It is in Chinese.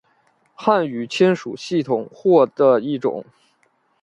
汉语亲属系统或的一种。